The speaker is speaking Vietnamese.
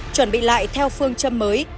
chuẩn bị lại theo phương châm mới